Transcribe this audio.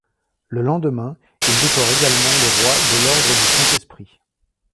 Le lendemain, il décore également le roi de l'ordre du Saint-Esprit.